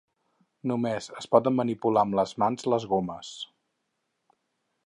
Només es poden manipular amb les mans les gomes.